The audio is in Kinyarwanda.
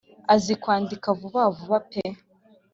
Azi kwandika vuba vuba pe